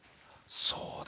そうだ！